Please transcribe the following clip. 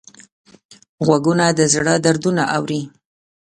غوږونه د زړه دردونه اوري